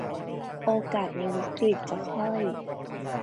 โอกาสในวิกฤตจะค่อย